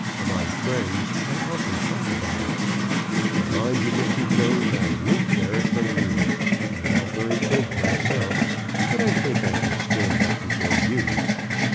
Among friends I often talk about it. But mind you, Mr. Jones, I won't bear it from you! I'm not very big myself, but I think I could stand up before you!"